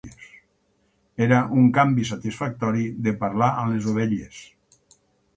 Era un canvi satisfactori de parlar amb les ovelles.